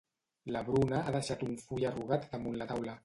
La Bruna ha deixat un full arrugat damunt la taula.